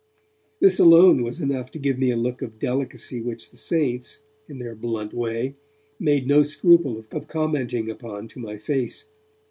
This alone was enough to give me a look of delicacy which the 'saints', in their blunt way, made no scruple of commenting upon to my face.